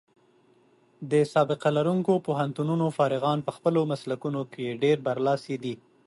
د سابقه لرونکو پوهنتونونو فارغان په خپلو مسلکونو کې ډېر برلاسي دي.